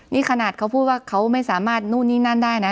นี่ขนาดเขาพูดว่าเขาไม่สามารถนู่นนี่นั่นได้นะ